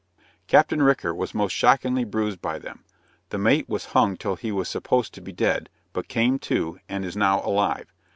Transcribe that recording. Captain Ricker was most shockingly bruised by them. The mate was hung till he was supposed to be dead, but came to, and is now alive.